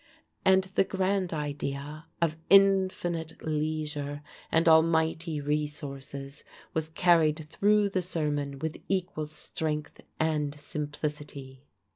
And the grand idea of infinite leisure and almighty resources was carried through the sermon with equal strength and simplicity.